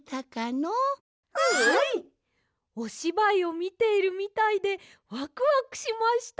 おしばいをみているみたいでワクワクしました！